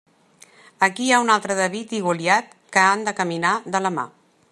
Aquí hi ha un altre David i Goliat que han de caminar de la mà.